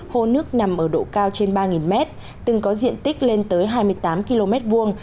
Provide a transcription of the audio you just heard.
hồ nước nằm ở độ cao trên ba mét từng có diện tích lên tới hai mươi tám km hai